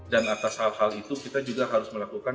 dan atas hal hal itu kita juga harus melakukan